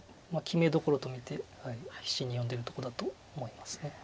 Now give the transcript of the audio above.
決めどころと見て必死に読んでるとこだと思います。